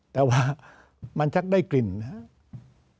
แต่ว่ามันจะได้กลิ่นครับ